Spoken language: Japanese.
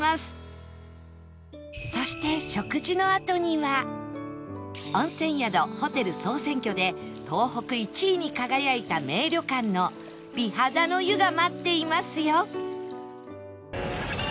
そして温泉宿・ホテル総選挙で東北１位に輝いた名旅館の美肌の湯が待っていますよ